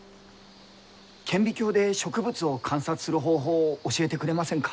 顕微鏡で植物を観察する方法を教えてくれませんか？